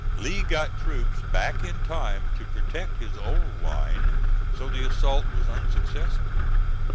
Lee got troops back in time to protect his old line, so the assault was unsuccessful.